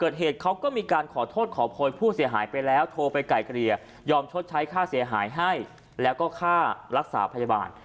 เขาก็มีการขอโทษขอโพยผู้เสียหายไปแล้วโทรไปไก่เกลี่ยยอมชดใช้ค่าเสียหายให้แล้วก็ค่ารักษาพยาบาล